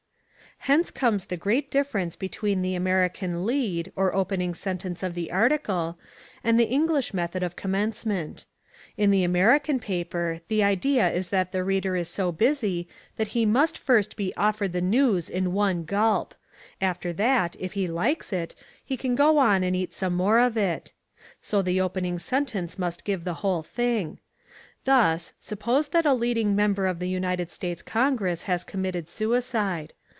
Hence comes the great difference between the American "lead" or opening sentence of the article, and the English method of commencement. In the American paper the idea is that the reader is so busy that he must first be offered the news in one gulp. After that if he likes it he can go on and eat some more of it. So the opening sentence must give the whole thing. Thus, suppose that a leading member of the United States Congress has committed suicide.